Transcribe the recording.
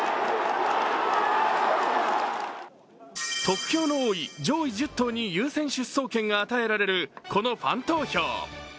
得票の多い上位１０頭に優先出走権が与えられるこのファン投票。